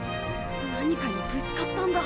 何かにぶつかったんだ。